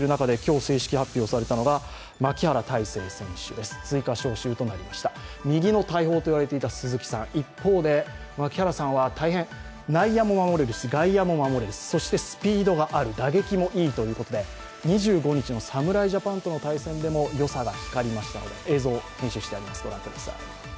そして大変残念ではあるんですが右の大砲と言われていた鈴木さん、一方で、牧原さんは大変、内野も守れるし、外野も守れる、そしてスピードがある打撃もいいということで２５日の侍ジャパンとの対戦でもよさが光りましたので、映像を入手しております。